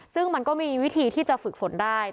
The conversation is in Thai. ซึ่งมันก็มีวิธีที่จะฝึกฝนได้